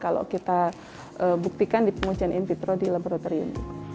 kalau kita buktikan di pengujian in vitro di laboratorium